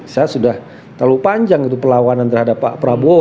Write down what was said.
saya sudah terlalu panjang itu pelawanan terhadap pak prabowo